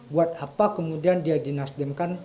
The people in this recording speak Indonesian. buat apa kemudian dia dinasdemkan